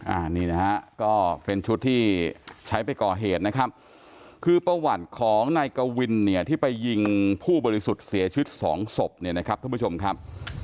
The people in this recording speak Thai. อันนี้นะฮะก็เป็นชุดที่ใช้ไปก่อเหตุนะครับคือประวัติของนายกวินเนี่ยที่ไปยิงผู้บริสุทธิ์เสียชีวิตสองศพเนี่ยนะครับท่านผู้ชมครับ